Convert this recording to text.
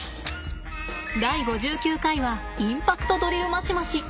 第５９回は「インパクトドリルマシマシ」。